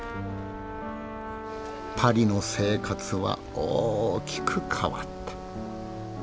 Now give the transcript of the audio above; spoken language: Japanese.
パリの生活は大きく変わった。